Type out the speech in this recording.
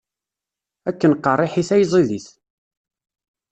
Akken qeṛṛiḥit ay ẓidit.